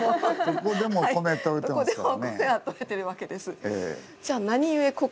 どこでも米とれてますからね。